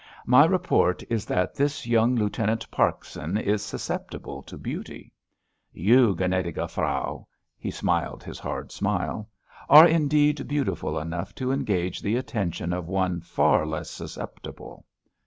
My report is that this young Lieutenant Parkson is susceptible to beauty. You, gnädige Frau," he smiled his hard smile, "are, indeed, beautiful enough to engage the attention of one far less susceptible!"